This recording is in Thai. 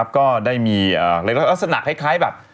ก็ได้มีลักษณะคล้ายแบบ